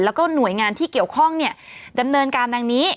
แล้วก็หน่วยงานที่เกี่ยวข้องดำเนินการดังนี้